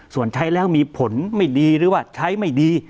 ส่วนใช้แล้วมีผลไม่ดีหรือว่าใช้ไม่ดี